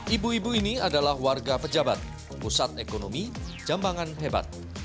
ibu ibu ini adalah warga pejabat pusat ekonomi jambangan hebat